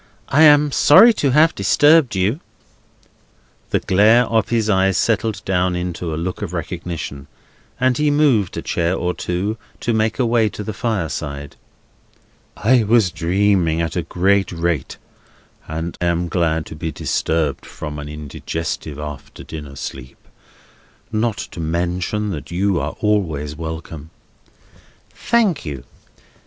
I am sorry to have disturbed you." The glare of his eyes settled down into a look of recognition, and he moved a chair or two, to make a way to the fireside. "I was dreaming at a great rate, and am glad to be disturbed from an indigestive after dinner sleep. Not to mention that you are always welcome." "Thank you.